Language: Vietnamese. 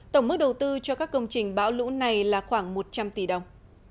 tổng mức đầu tư cho các công trình bão lũ này là khoảng một trăm linh tỷ đồng